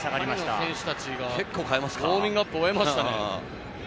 パリの選手たち、ウオーミングアップを終えましたね。